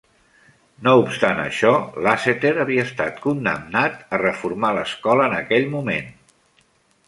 No obstant això, Lasseter havia estat condemnat a reformar l'escola en aquell moment.